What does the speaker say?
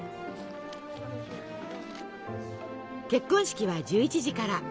結婚式は１１時から。